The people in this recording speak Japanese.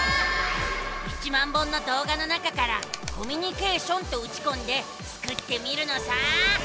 １０，０００本のどう画の中から「コミュニケーション」とうちこんでスクってみるのさ！